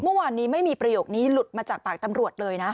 เมื่อวานนี้ไม่มีประโยคนี้หลุดมาจากปากตำรวจเลยนะ